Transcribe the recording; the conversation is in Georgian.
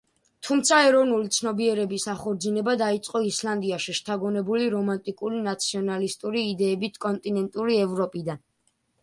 თუმცა ეროვნული ცნობიერების აღორძინება დაიწყო ისლანდიაში, შთაგონებული რომანტიკული ნაციონალისტური იდეებით კონტინენტური ევროპიდან.